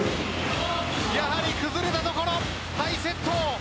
やはり崩れたところハイセット。